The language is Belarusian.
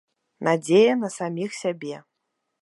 Надзея на саміх сябе.